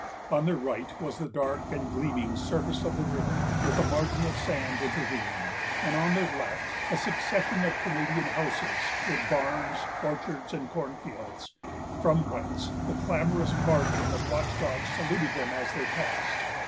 On their right was the dark and gleaming surface of the river, with a margin of sand intervening, and on their left a succession of Canadian houses, with barns, orchards, and cornfields, from whence the clamorous barking of watch dogs saluted them as they passed.